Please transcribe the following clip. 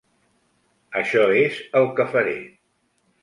Això és el que faré.